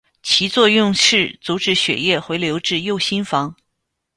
其作用是阻止血液回流至右心房。